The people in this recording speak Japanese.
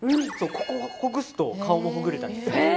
ここをほぐすと顔もほぐれたりする。